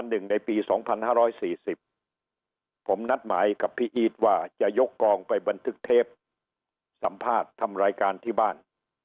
ในปี๒๕๔๐ผมนัดหมายกับพี่อีทว่าจะยกกองไปบันทึกเทปสัมภาษณ์ทำรายการที่บ้าน